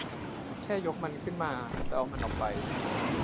แค่ยกมันขึ้นมาแล้วเอามันออกไป